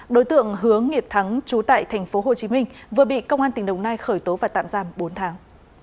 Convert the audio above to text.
đối tượng hứa nghiệp thắng chú tại tp hcm vừa bị công an tỉnh đồng nai khởi tố và tạm giam bốn tháng